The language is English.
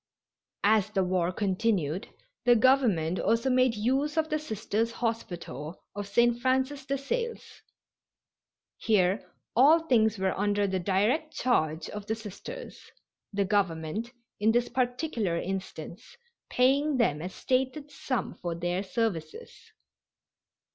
As the war continued the Government also made use of the Sisters' Hospital of St. Francis de Sales. Here all things were under the direct charge of the Sisters, the Government, in this particular instance, paying them a stated sum for their services.